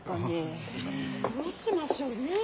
どうしましょうね？